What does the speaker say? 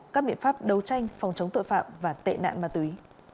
các biện pháp đấu tranh phòng chống tội phạm và tệ nạn ma túy